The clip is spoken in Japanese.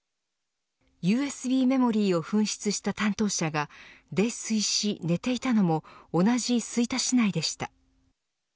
ＵＳＢメモリーを紛失した担当者が泥酔し寝ていたのも同じ吹田市内でした。